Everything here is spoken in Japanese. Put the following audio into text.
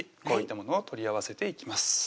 こういったものを取り合わせていきます